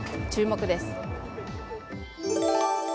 注目です。